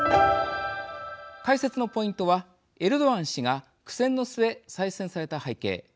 解説のポイントはエルドアン氏が苦戦の末再選された背景。